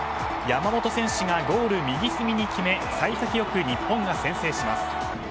山本選手がゴール右隅に決め幸先よく日本が先制します。